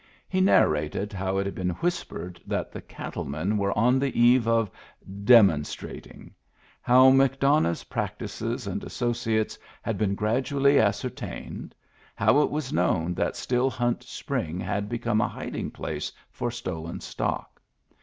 He narrated how it had been whispered that the cattlemen were on the eve of " demonstrat ing"; how McDonough's practices and associ ates had been gradually ascertained ; how it was known that Still Hunt Spring had become a hiding place for stolen stock.